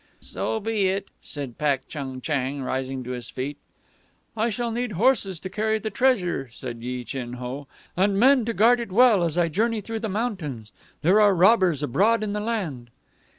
"So be it," said Pak Chung Chang, rising to his feet. "I shall need horses to carry the treasure," said Yi Chin Ho, "and men to guard it well as I journey through the mountains. There are robbers abroad in the land."